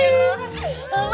ini apaan sih